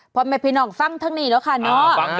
พ่อแม่พี่น้องฟังทั้งนี้แล้วค่ะเนาะ